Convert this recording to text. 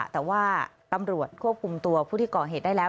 แต่ว่าตำรวจควบคุมตัวผู้ที่ก่อเหตุได้แล้ว